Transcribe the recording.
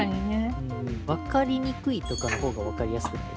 わかりにくいとかの方がわかりやすくない？